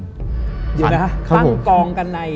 อยู่นะครับทั้งกองกันใน